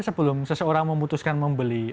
sebelum seseorang memutuskan membeli